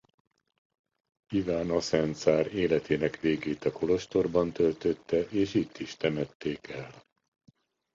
Iván Aszen cár életének végét a kolostorban töltötte és itt is temették el.